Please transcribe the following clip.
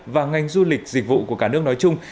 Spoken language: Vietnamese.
và ngành du lịch dịch vụ của cả nước nói chung